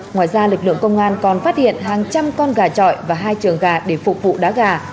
ngoài ra lực lượng công an còn phát hiện hàng trăm con gà trọi và hai trường gà để phục vụ đá gà